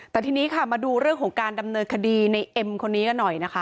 แต่ทีนี้ค่ะมาดูเรื่องของการดำเนินคดีในเอ็มคนนี้กันหน่อยนะคะ